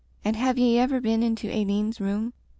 And have ye ever been into Aileen's room?